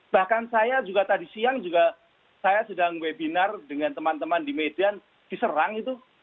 bahkan saya juga tadi siang juga saya sedang webinar dengan teman teman di medan diserang itu